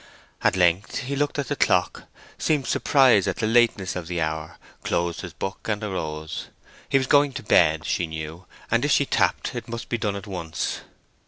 At length he looked at the clock, seemed surprised at the lateness of the hour, closed his book, and arose. He was going to bed, she knew, and if she tapped it must be done at once.